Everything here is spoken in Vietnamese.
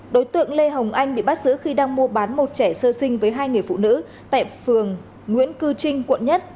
đối tượng lê hồng anh bị bắt giữ khi đang mua bán một trẻ sơ sinh với hai người phụ nữ tại phường nguyễn cư trinh quận một